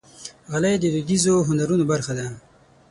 غالۍ د دودیزو هنرونو برخه ده.